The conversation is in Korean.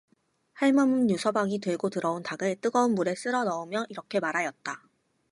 할멈은 유서방이 들고 들어온 닭을 뜨거운 물에 쓸어 넣으며 이렇게 말하였다.